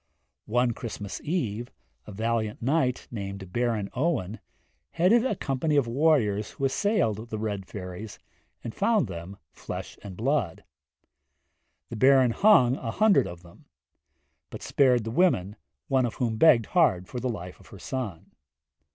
One Christmas eve a valiant knight named Baron Owen headed a company of warriors who assailed the Red Fairies, and found them flesh and blood. The Baron hung a hundred of them; but spared the women, one of whom begged hard for the life of her son.